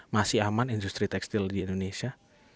masih aman industri tekstil di indonesia